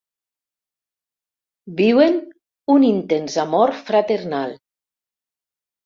Viuen un intens amor fraternal.